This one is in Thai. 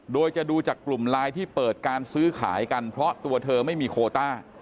โดยจะดูจากกลุ่มไลน์ที่เปิดการซื้อขายกันเพราะตัวเธอไม่มีโคต้า